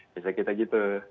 biasanya kita gitu